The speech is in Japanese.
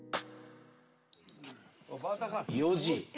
４時。